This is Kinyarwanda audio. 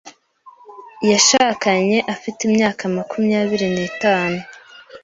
Yashakanye afite imyaka makumyabiri n'itanu.